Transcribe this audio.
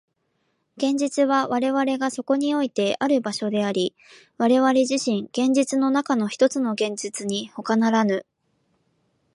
現実は我々がそこにおいてある場所であり、我々自身、現実の中のひとつの現実にほかならぬ。